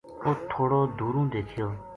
اُت تھوڑو دُوروں دیکھیو